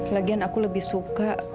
lagian aku lebih suka